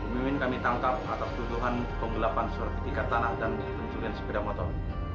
bu mimin kami tangkap atas tuduhan penggelapan surat ketika tanah dan penculian sepeda motor